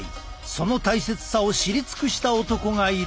その大切さを知り尽くした男がいる。